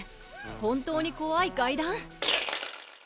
本当に怖い怪談」？